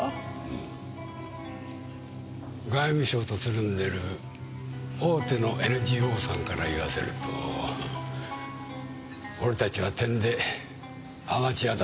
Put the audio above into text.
外務省とつるんでる大手のＮＧＯさんから言わせると俺たちはてんでアマチュアだそうだ。